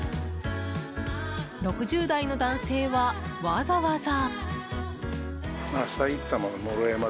６０代の男性は、わざわざ。